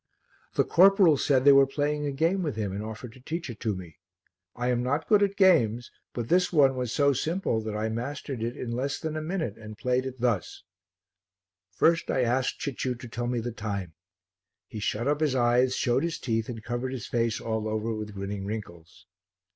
The corporal said they were playing a game with him and offered to teach it to me. I am not good at games, but this one was so simple that I mastered it in less than a minute and played it thus First I asked Cicciu to tell me the time. He shut up his eyes, showed his teeth and covered his face all over with grinning wrinkles.